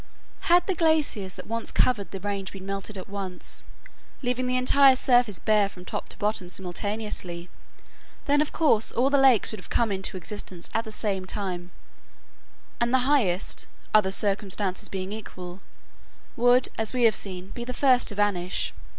Had the glaciers that once covered the range been melted at once, leaving the entire surface bare from top to bottom simultaneously, then of course all the lakes would have come into existence at the same time, and the highest, other circumstances being equal, would, as we have seen, be the first to vanish.